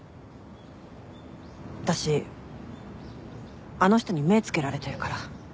私あの人に目付けられてるから。